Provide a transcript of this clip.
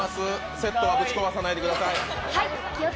セットはぶち壊さないでください。